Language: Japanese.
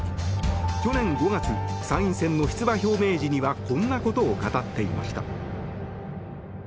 去年５月参院選の出馬表明時にはこんなことを語っていました。